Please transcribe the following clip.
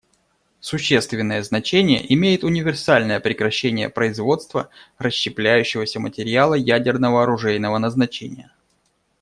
Существенное значение имеет универсальное прекращение производства расщепляющегося материала ядерно-оружейного назначения.